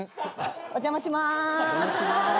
お邪魔しまーす。